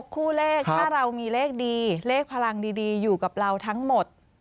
คู่เลขถ้าเรามีเลขดีเลขพลังดีอยู่กับเราทั้งหมด